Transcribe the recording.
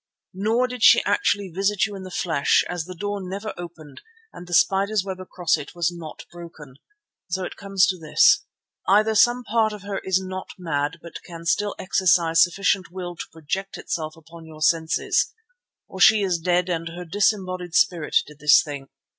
Nor did she actually visit you in the flesh, as the door never opened and the spider's web across it was not broken. So it comes to this: either some part of her is not mad but can still exercise sufficient will to project itself upon your senses, or she is dead and her disembodied spirit did this thing.